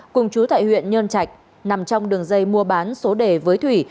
cùng chú tài huyện nhân trạch nằm trong đường dây mua bán số đề với thủy